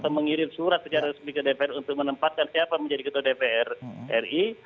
mengirim surat secara resmi ke dpr untuk menempatkan siapa menjadi ketua dpr ri